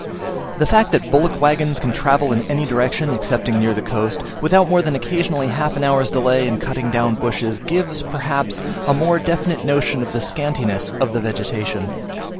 The fact that bullock waggons can travel in any direction, excepting near the coast, without more than occasionally half an hour's delay in cutting down bushes, gives, perhaps, a more definite notion of the scantiness of the vegetation.